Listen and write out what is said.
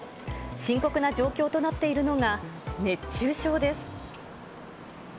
深刻な状況となっているのが、熱中症です。